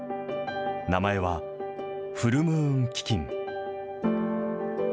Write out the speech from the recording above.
名前はフル・ムーン基金。